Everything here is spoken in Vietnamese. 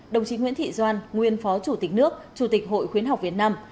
đồng chí nguyễn thị doan nguyên phó chủ tịch nước chủ tịch hội khuyến học việt nam